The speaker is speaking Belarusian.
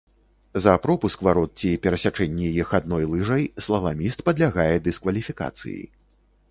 За пропуск варот ці перасячэнне іх адной лыжай слаламіст падлягае дыскваліфікацыі.